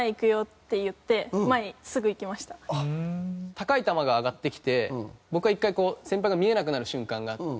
高い球が上がってきて僕は１回こう先輩が見えなくなる瞬間があって。